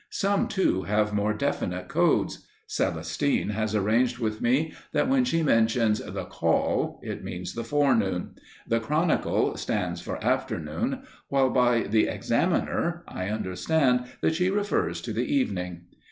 Some, too, have more definite codes. Celestine has arranged with me that when she mentions the "Call" it means the forenoon; the "Chronicle" stands for afternoon, while by the "Examiner" I understand that she refers to the evening.